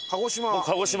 鹿児島。